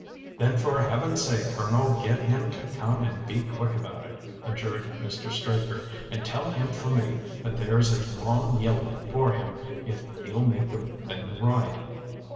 "Then for Heaven's sake, Colonel, get him to come and be quick about it," adjured Mr. Straker. "And tell him for me that there's a long yellow for him if he'll make the thing right."